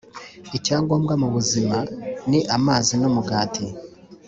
Icya ngombwa mu buzima, ni amazi n’umugati,